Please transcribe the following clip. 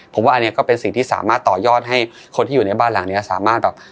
ผมว่าอันนี้ก็เป็นสิ่งที่สามารถต่อยอดให้คนที่อยู่ในบ้านหลังนี้สามารถแบบ